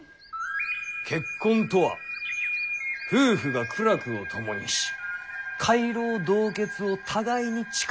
結婚とは夫婦が苦楽を共にし偕老同穴を互いに誓い合うものだ。